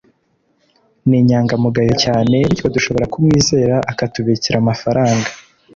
Ni inyangamugayo cyane, bityo dushobora kumwizera akatubikira amafaranga.